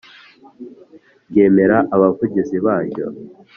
ryemera Abavugizi baryo